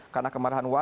setelah mendapatkan the